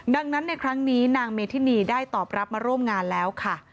ดังนั้นในครั้งนี้นางเมธินีได้ตอบรับมาร่วมงานแล้วค่ะ